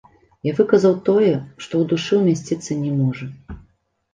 Я выказаў тое, што ў душы ўмясціцца не можа.